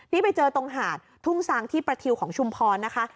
นี่ไปเจอตรงหาดทุ่งซางที่ประทิวของชุมพรนะคะ